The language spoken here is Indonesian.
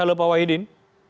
halo pak wahidin